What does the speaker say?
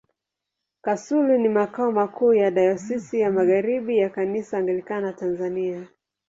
Kasulu ni makao makuu ya Dayosisi ya Magharibi ya Kanisa Anglikana Tanzania.